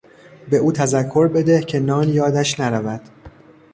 به او تذکر بده که نان یادش نرود.